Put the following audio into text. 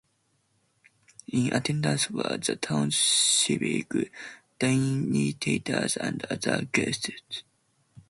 In attendance were the town's civic dignitaries and other guests.